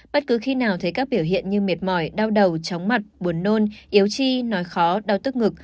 bất cứ khi nào thấy các biểu hiện như mệt mỏi đau đầu chóng mặt buồn nôn yếu chi nói khó đau tức ngực